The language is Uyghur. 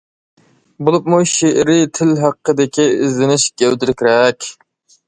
بولۇپمۇ شېئىرىي تىل ھەققىدىكى ئىزدىنىشى گەۋدىلىكرەك.